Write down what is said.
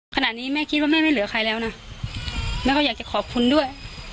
ขณะนี้แม่คิดว่าแม่ไม่เหลือใครแล้วนะแม่ก็อยากจะขอบคุณด้วย